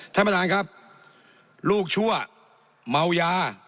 ท่านประธานครับลูกชั่วเมายา